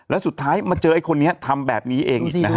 แล้วสุดท้ายมาเจอไอ้คนนี้ทำแบบนี้เองอีกนะฮะ